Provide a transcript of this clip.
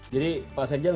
jadi pak sekjen